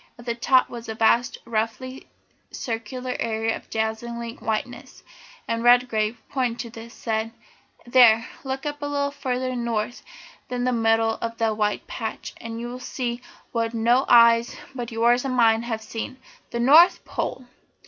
At the top was a vast, roughly circular area of dazzling whiteness, and Redgrave, pointing to this, said: "There, look up a little further north than the middle of that white patch, and you'll see what no eyes but yours and mine have ever seen the North Pole!